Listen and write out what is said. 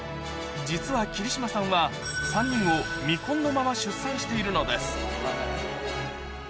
実は桐島さんは３人を未婚のまま出産しているのです。